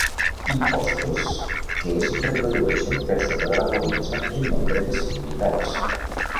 Impostes que es reprodueixen per sota de la cornisa en nombre de sis unitats.